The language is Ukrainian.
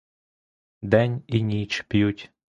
День і ніч п'ють.